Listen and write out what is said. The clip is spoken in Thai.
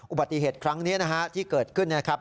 อุบัติเหตุครั้งนี้นะฮะที่เกิดขึ้นนะครับ